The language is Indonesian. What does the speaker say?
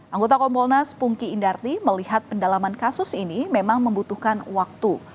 anggota kompolnas pungki indarti melihat pendalaman kasus ini memang membutuhkan waktu